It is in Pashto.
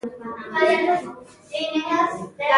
سندره د خیال او حقیقت ګډ ځای دی